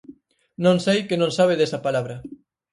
Non sei que non sabe desa palabra.